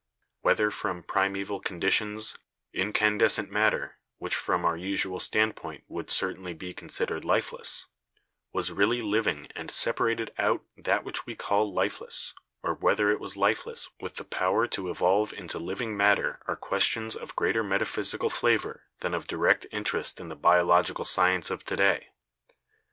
Whether from primeval conditions incandescent matter, which from our usual standpoint would certainly be considered lifeless, was really living and separated out that which we call lifeless or whether it was lifeless with the power to evolve into living matter are questions of greater metaphysical flavor than of direct interest in the biological science of to day.